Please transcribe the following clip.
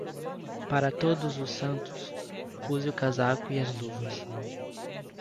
Para Todos os Santos, use o casaco e as luvas.